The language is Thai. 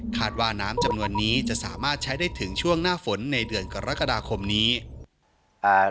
ว่าน้ำจำนวนนี้จะสามารถใช้ได้ถึงช่วงหน้าฝนในเดือนกรกฎาคมนี้อ่า